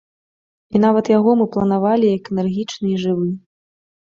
І нават яго мы планавалі як энергічны і жывы.